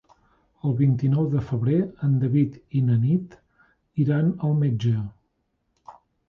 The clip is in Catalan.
El vint-i-nou de febrer en David i na Nit iran al metge.